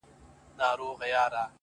زه مي پر خپلي بې وسۍ باندي تکيه کومه”